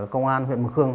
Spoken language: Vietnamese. công an huyện mực khương